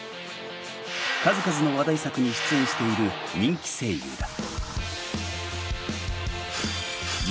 数々の話題作に出演している人気声優だ。